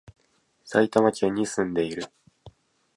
埼玉県に住んでいる